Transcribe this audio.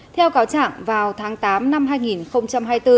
theo cáo trạng vào tháng tám năm hai nghìn hai mươi bốn